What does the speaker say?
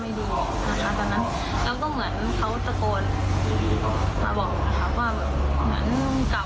มีรถที่จะข้ามไปอีกเลนซ์หนึ่งค่ะแล้วมันมีรถสิบล้อสวะหาหนูก็เลยตกใจ